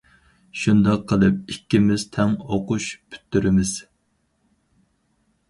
شۇنداق قىلىپ ئىككىمىز تەڭ ئوقۇش پۈتتۈرىمىز.